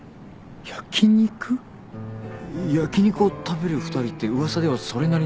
焼き肉を食べる２人って噂ではそれなりの。